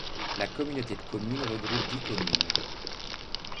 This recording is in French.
La communauté de communes regroupe dix communes.